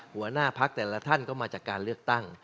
หัวหน้าพักแต่ละท่านก็มาจากการเลือกตั้ง